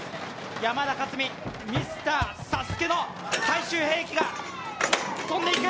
山田勝己、ミスターＳＡＳＵＫＥの最終兵器が、跳んでいく！